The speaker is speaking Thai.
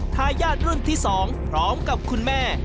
ทายาทรุ่นที่๒พร้อมกับคุณแม่